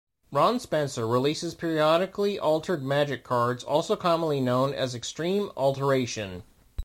Ron Spencer releases periodically altered Magic cards also commonly known as Extreme Alteration.